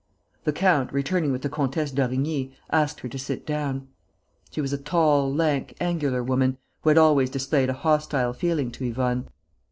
The count, returning with the Comtesse d'Origny, asked her to sit down. She was a tall, lank, angular woman, who had always displayed a hostile feeling to Yvonne.